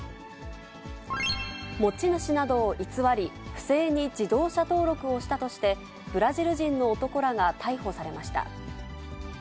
持ち主などを偽り、不正に自動車登録をしたとして、ブラジル人の男らが逮捕されました。